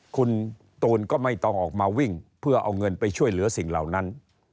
คุณตูนก็ไม่ต้องออกมาวิ่งเพื่อเอาเงินไปช่วยเหลือสิ่งเหล่านั้น